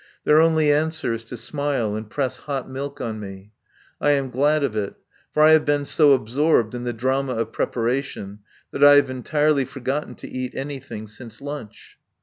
Their only answer is to smile and press hot milk on me. I am glad of it, for I have been so absorbed in the drama of preparation that I have entirely forgotten to eat anything since lunch.